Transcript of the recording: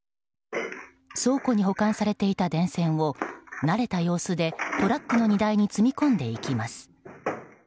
倉庫に保管されていた電線を慣れた様子でトラックの荷台に積み込んでいきます。